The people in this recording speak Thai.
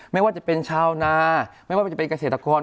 ไม่ว่าจะเป็นชาวนาไม่ว่าจะเป็นเกษตรกร